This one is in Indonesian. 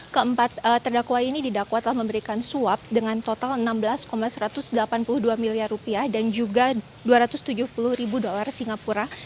keempat terdakwa ini didakwa telah memberikan suap dengan total enam belas satu ratus delapan puluh dua miliar rupiah dan juga dua ratus tujuh puluh ribu dolar singapura